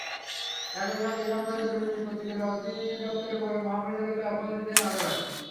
একই সঙ্গে এ-সংক্রান্ত রুল নিষ্পত্তি করে অধিদপ্তরের মহাপরিচালককে অব্যাহতি দেন আদালত।